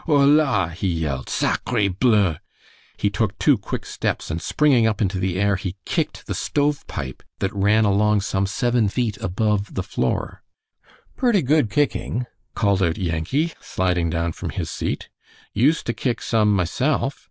"Hola!" he yelled, "Sacre bleu!" He took two quick steps, and springing up into the air he kicked the stovepipe that ran along some seven feet above the floor. "Purty good kicking," called out Yankee, sliding down from his seat. "Used to kick some myself.